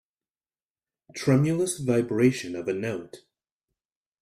Tremulous vibration of a note